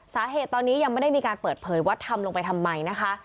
สาเหตุตอนนี้ยังไม่ได้มีการเปิดเผยว่าทำลงไปทำไมนะคะ